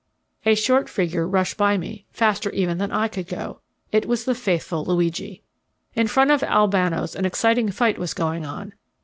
A short figure rushed by me, faster even than I could go. It was the faithful Luigi. In front of Albano's an exciting fight was going on.